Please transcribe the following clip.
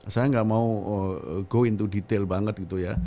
saya gak mau go into detail banget gitu ya